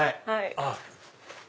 はい。